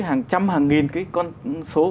hàng trăm hàng nghìn cái con số